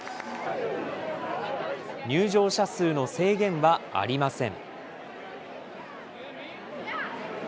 入場者数の制限はありません。